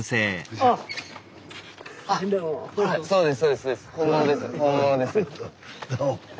ああそうですか。